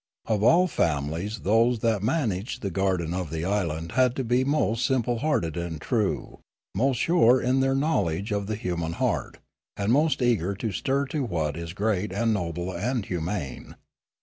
Of all families those that managed the garden of the island had to be most simple hearted and true, most sure in their know ledge of the human heart, and most eager to stir to what is great and noble and humane.